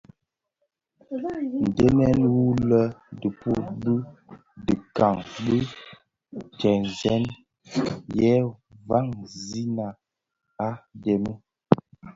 Ndhèňdèn wu lè dhipud bi dikag di tëtsem, ye vansina a dhemi,